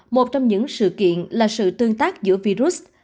một trong những sự kiện là sự tương tác giữa virus